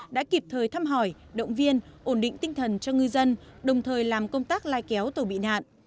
đã kịp thời thăm hỏi động viên ổn định tinh thần cho ngư dân đồng thời làm công tác lai kéo tàu bị nạn